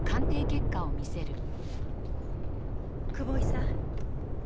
久保井さん。